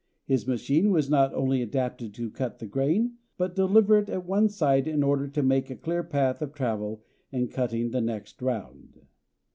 His machine was not only adapted to cut the grain, but deliver it at one side in order to make a clear path of travel in cutting the next round.